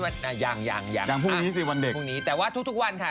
วันนี้ยังยังยังยังพรุ่งนี้สิวันเด็กพรุ่งนี้แต่ว่าทุกวันค่ะ